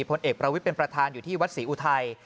พลเอกประวิทย์เป็นประธานอยู่ที่วัดศรีอุทัย